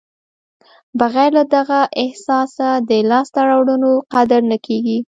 بغیر له دغه احساسه د لاسته راوړنو قدر نه کېږي.